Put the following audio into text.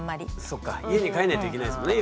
そっか家に帰んないといけないですもんね